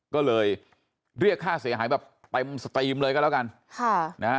ก็เลยเรียกค่าเสียหายแบบเต็มสตรีมเลยก็แล้วกันค่ะนะฮะ